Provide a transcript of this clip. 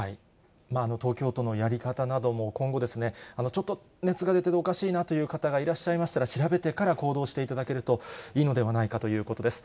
東京都のやり方なども、今後ですね、ちょっと熱が出て、おかしいなという方がいらっしゃいましたら、調べてから行動していただけるといいのではないかということです。